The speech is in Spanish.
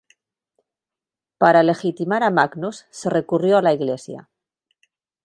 Para legitimar a Magnus, se recurrió a la Iglesia.